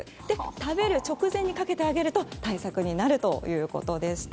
食べる直前にかけていただくと対策になるということでした。